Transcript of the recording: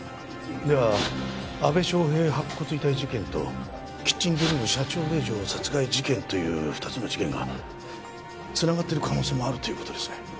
では阿部祥平白骨遺体事件とキッチンドリーム社長令嬢殺害事件という２つの事件が繋がってる可能性もあるっていう事ですね。